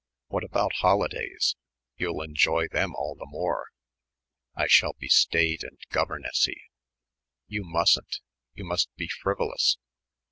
"What about holidays? You'll enjoy them all the more." "I shall be staid and governessy." "You mustn't. You must be frivolous."